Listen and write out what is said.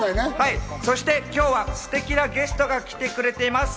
そして今日はすてきなゲストが来てくれています。